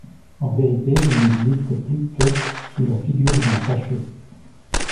En vérité, il n'existe plus que sous la figure d'un fâcheux.